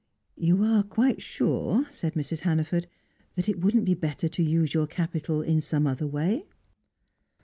"You are quite sure," said Mrs. Hannaford, "that it wouldn't be better to use your capital in some other way?"